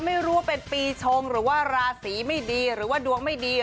ไม่รู้ว่าเป็นปีชงหรือว่าราศีไม่ดีหรือว่าดวงไม่ดี